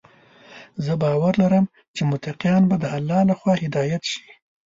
زه باور لرم چې متقیان به د الله لخوا هدايت شي.